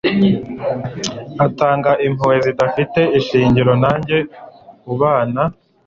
itanga impuhwe zidafite ishingiro nanjye ubana